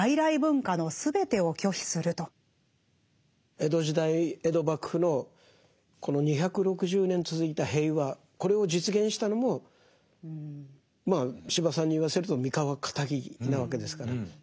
江戸時代江戸幕府のこの２６０年続いた平和これを実現したのも司馬さんに言わせると三河かたぎなわけですから。